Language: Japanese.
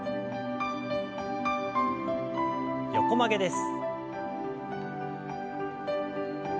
横曲げです。